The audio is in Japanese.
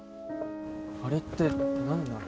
あれって何なの？